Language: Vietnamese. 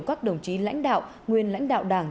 các đồng chí lãnh đạo nguyên lãnh đạo đảng